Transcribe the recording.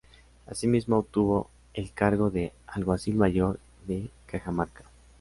Asimismo obtuvo el cargo de alguacil mayor de Cajamarca.